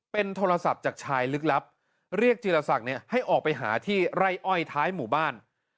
เป็นโทรศัพท์จากชายลึกลับเรียกจีรศักดิ์ให้ออกไปหาที่ไร่อ้อยท้ายหมู่บ้าน